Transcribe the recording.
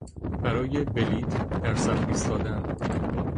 برای بلیت در صف ایستادن